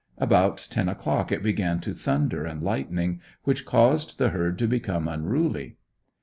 About ten o'clock it began to thunder and lightning, which caused the herd to become unruly.